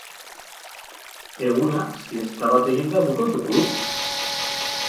Eguna, siesta bat eginda bukatuko du.